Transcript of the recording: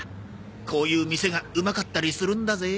こういう店がうまかったりするんだぜ。